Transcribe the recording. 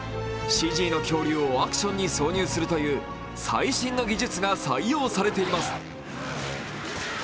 ＣＧの恐竜をアクションに挿入するという最新の技術が採用されています。